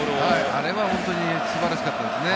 あれは本当に素晴らしかったですね。